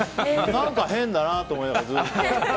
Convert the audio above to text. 何か変だなと思いながらずっと。